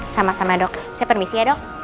sama sama dok saya permisi ya dok